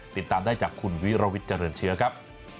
ติดตามได้จากคุณวิรวิทย์เจริญเชื้อครับ